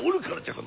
この